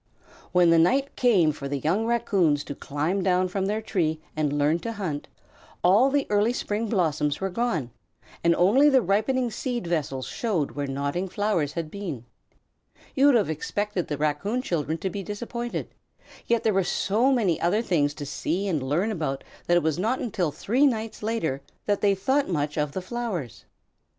When the night came for the young Raccoons to climb down from their tree and learn to hunt, all the early spring blossoms were gone, and only the ripening seed vessels showed where nodding flowers had been. You would have expected the Raccoon children to be disappointed, yet there were so many other things to see and learn about that it was not until three nights later that they thought much of the flowers.